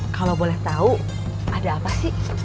kalau boleh tahu ada apa sih